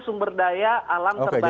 sumber daya alam terbatas